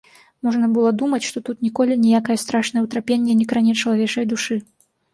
Можна было думаць, што тут ніколі ніякае страшнае ўтрапенне не кране чалавечай душы.